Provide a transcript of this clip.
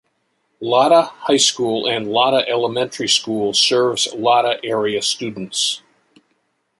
Latta High School and Latta Elementary School serves Latta area students.